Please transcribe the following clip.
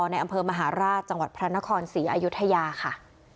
ในอำเภอมหาราชจังหวัดพระนครศรีอยุธยาค่ะ